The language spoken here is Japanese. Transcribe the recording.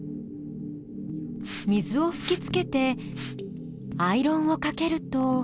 水をふきつけてアイロンをかけると。